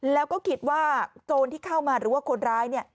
แล้วก็คิดว่าโจรที่เข้ามาหรือว่าคนร้าย